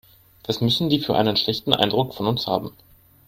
Was müssen die für einen schlechten Eindruck von uns haben.